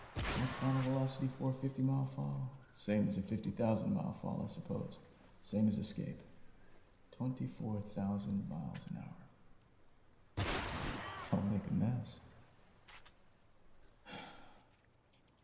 What's final velocity for a fifty mile fall? Same as a fifty thousand mile fall, I suppose; same as escape; twenty four thousand miles an hour. I'll make a mess